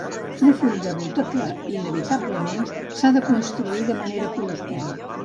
Un full de ruta que, inevitablement, s’ha de construir de manera col·lectiva.